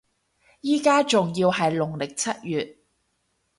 依家仲要係農曆七月